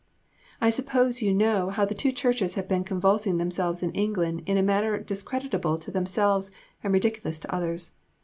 I suppose you know how the two churches have been convulsing themselves in England in a manner discreditable to themselves and ridiculous to others.